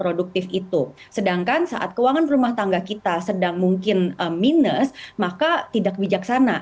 produktif itu sedangkan saat keuangan rumah tangga kita sedang mungkin minus maka tidak bijaksana